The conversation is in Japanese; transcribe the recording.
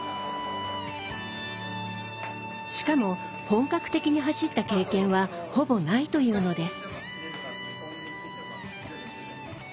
しかも本格的に走った経験はほぼないというのです。